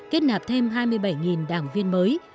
kết nạp thêm hai mươi bảy đảng viên mới